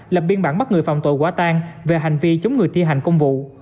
lập biên bản bắt người phạm tội quá tan về hành vi chống người thi hành công vụ